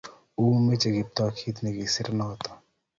U meche Kiptoo kit nekisirisie noto